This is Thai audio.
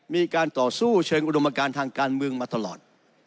มีการต่อสู้เชิงอุดมการทางการเมืองมาตลอด